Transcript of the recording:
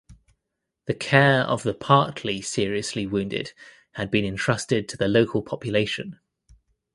The care of the partly seriously wounded had been entrusted to the local population.